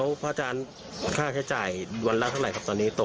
พระอาจารย์ค่าใช้จ่ายวันละเท่าไหร่ครับตอนนี้ตก